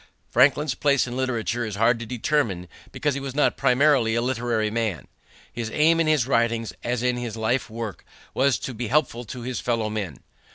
Franklin's place in literature is hard to determine because he was not primarily a literary man. His aim in his writings as in his life work was to be helpful to his fellow men.